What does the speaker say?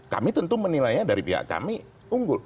kami tentu menilainya dari pihak kami unggul